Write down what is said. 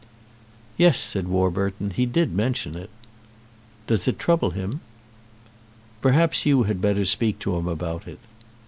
"Yes," said Warburton; "he did mention it." "Does it trouble him?" "Perhaps you had better speak to him about it."